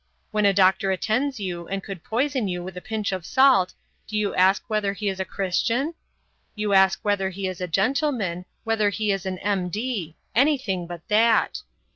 When a doctor attends you and could poison you with a pinch of salt, do you ask whether he is a Christian? You ask whether he is a gentleman, whether he is an M.D. anything but that.